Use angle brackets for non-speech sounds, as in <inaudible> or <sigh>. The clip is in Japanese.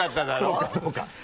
そうかそうか <laughs>